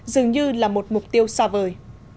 dường như là một mục tiêu xa vời